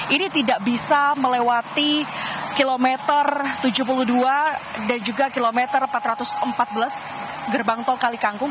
ini tidak bisa melewati kilometer tujuh puluh dua dan juga kilometer empat ratus empat belas gerbang tol kali kangkung